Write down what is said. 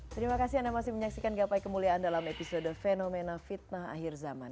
terima kasih anda masih menyaksikan gapai kemuliaan dalam episode fenomena fitnah akhir zaman